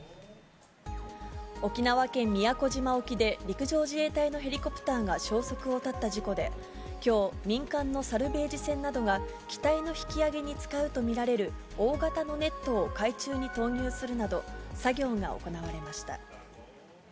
沖縄県宮古島沖で、陸上自衛隊のヘリコプターが消息を絶った事故で、きょう、民間のサルベージ船などが機体の引き揚げに使うと見られる大型のネットを海中に投入するなど、作業が行われました。